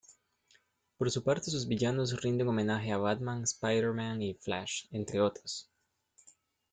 Por su parte, sus villanos rinden homenaje a Batman, Spider-Man y Flash, entre otros.